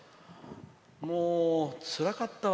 もうつらかったわ。